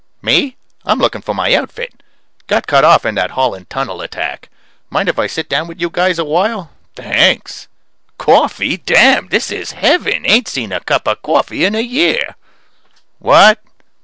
_ Me? I'm looking for my outfit. Got cut off in that Holland Tunnel attack. Mind if I sit down with you guys a while? Thanks. Coffee? Damn! This is heaven. Ain't seen a cup of coffee in a year. What?